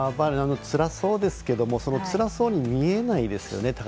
つらそうですけどつらそうに見えないですよね